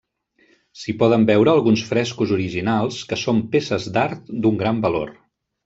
S'hi poden veure alguns frescos originals que són peces d'art d'un gran valor.